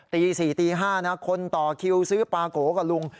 ตี๔ตี๕นะคนต่อคิวซื้อปลาโกะกับลุง